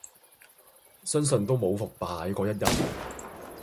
相信都無復牌果一日